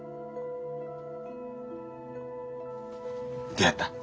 どやった？